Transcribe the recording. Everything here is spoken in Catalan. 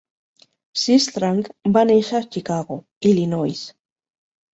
Seastrand va néixer a Chicago, Illinois.